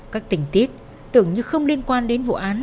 các tình tiết tưởng như không liên quan đến vụ án